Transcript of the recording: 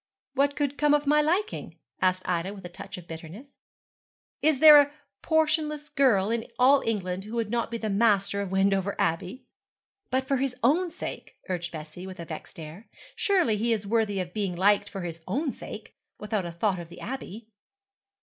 'What could come of my liking?' asked Ida with a touch of bitterness. 'Is there a portionless girl in all England who would not like the master of Wendover Abbey?' 'But for his own sake,' urged Bessie, with a vexed air; 'surely he is worthy of being liked for his own sake, without a thought of the Abbey.'